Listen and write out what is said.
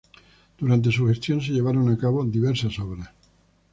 Durante su gestión se llevaron a cabo diversas obras.